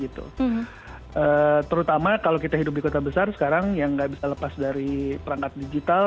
terutama kalau kita hidup di kota besar sekarang yang nggak bisa lepas dari perangkat digital